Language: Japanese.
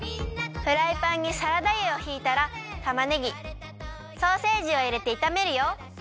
フライパンにサラダ油をひいたらたまねぎソーセージをいれていためるよ。